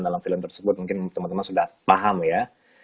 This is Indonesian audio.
dalam film tersebut mungkin teman teman sudah paham ya